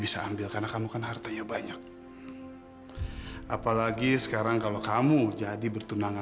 sampai jumpa di video selanjutnya